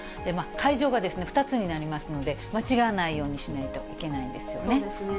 会場が２つになりますので、間違わないようにしないといけないですよね。